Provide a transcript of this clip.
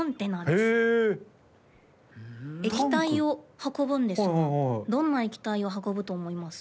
液体を運ぶんですがどんな液体を運ぶと思います？